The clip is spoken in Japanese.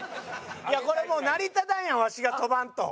いやこれもう成り立たんやんわしが跳ばんと。